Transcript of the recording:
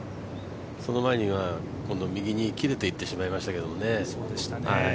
その前には右に切れていってしまいましたけどね。